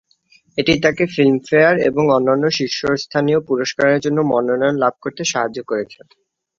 এটি তাঁকে ফিল্মফেয়ার এবং অন্যান্য শীর্ষস্থানীয় পুরস্কারের জন্য মনোনয়ন লাভ করতে সাহায্য করেছে।